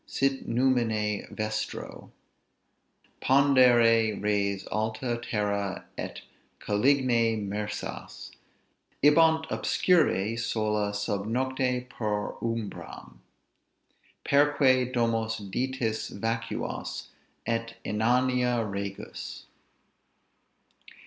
sit numine vestro Pandere res alta terra et caligine mersas! Ibant obscuri, sola sub nocte, per umbram, Perque domos Ditis vacuas, et inania regus.